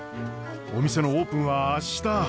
お店のオープンは明日。